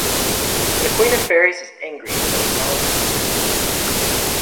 The Queen of Fairies is angry but acknowledges defeat.